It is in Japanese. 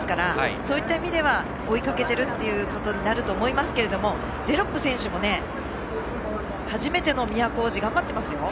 そういった意味では追いかけているということになると思いますけどジェロップ選手も初めての都大路、頑張ってますよ。